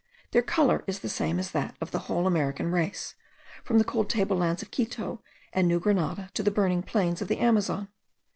Their colour is the same as that of the whole American race, from the cold table lands of Quito and New Grenada to the burning plains of the Amazon.